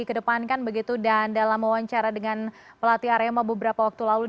kedepankan begitu dan dalam wawancara dengan pelatih arema beberapa orang yang berada di dalam sebuah